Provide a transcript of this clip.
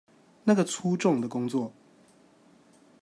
那個粗重的工作